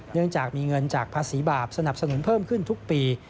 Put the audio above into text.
เนื่องจากมีเงินจากภาษีบาปสนับสนุนเพิ่มขึ้นทุกปี